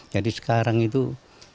jadi sekarang itu jalan